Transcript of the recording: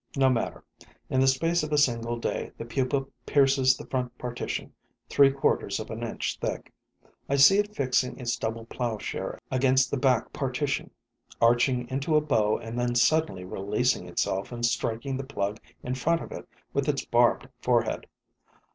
No matter: in the space of a single day, the pupa pierces the front partition, three quarters of an inch thick. I see it fixing its double plowshare against the back partition, arching into a bow and then suddenly releasing itself and striking the plug in front of it with its barbed forehead.